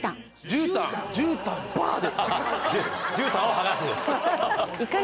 じゅうたん、ばーですか？